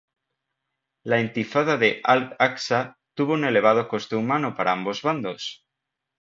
La Intifada de Al-Aqsa tuvo un elevado coste humano para ambos bandos.